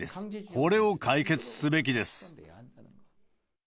これを解決すべきです。